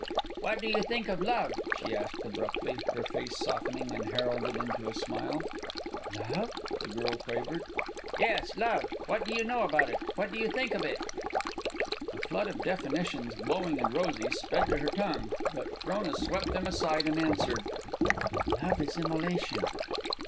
"What do you think of love?" she asked abruptly, her face softening unheralded into a smile. "Love?" the girl quavered. "Yes, love. What do you know about it? What do you think of it?" A flood of definitions, glowing and rosy, sped to her tongue, but Frona swept them aside and answered, "Love is immolation."